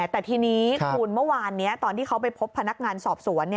แต่ทีนี้คุณเมื่อวานนี้ตอนที่เขาไปพบพนักงานสอบสวน